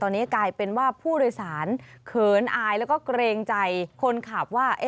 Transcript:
ตอนนี้กลายเป็นว่าผู้โดยสารเขินอายแล้วก็เกรงใจคนขับว่า